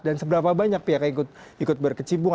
dan seberapa banyak pihak yang ikut berkecimpung